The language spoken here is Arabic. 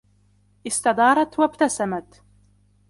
استدارت و ابتسمت.